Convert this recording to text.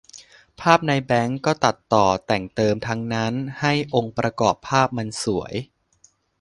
ภาพในแบงค์ก็ตัดต่อแต่งเติมทั้งนั้นให้องค์ประกอบภาพมันสวย